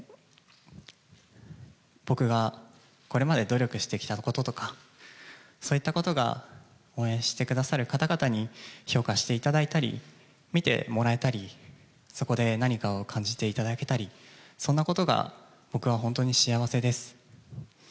僕がこれまで努力してきたこととか、そういったことが、応援してくださる方々に評価していただいたり、見てもらえたり、そこで何かを感じていただけたり、そんなことが僕は本当に幸せです。